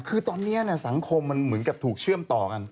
คือตอนนี้สังคมมันเหมือนกับถูกเชื่อมต่อกัน